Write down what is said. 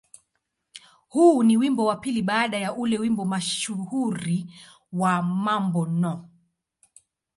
Huu ni wimbo wa pili baada ya ule wimbo mashuhuri wa "Mambo No.